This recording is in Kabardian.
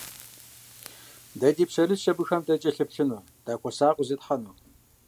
Дэ ди пщэрылъщ абыхэм дакӀэлъыплъыну, дыхуэсакъыу зетхьэну.